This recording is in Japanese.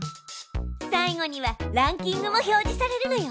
最後にはランキングも表示されるのよ。